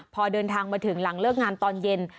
พอเดินทางมาถึงหลังเลิกงานตอนเย็น